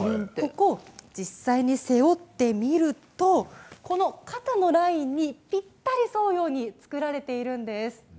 実際に背負ってみると肩のラインにぴったり沿うように作られているんです。